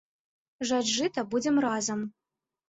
Жаць жыта будзем разам.